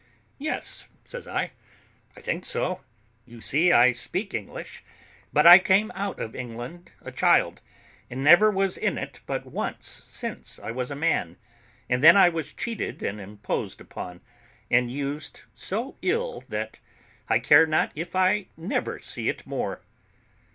"Yes," says I, "I think so: you see I speak English; but I came out of England a child, and never was in it but once since I was a man; and then I was cheated and imposed upon, and used so ill that I care not if I never see it more."